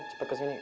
cepet ke sini